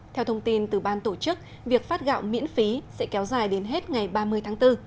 theo thông tin từ ban tổ chức việc phát gạo miễn phí sẽ kéo dài đến hết ngày ba mươi tháng bốn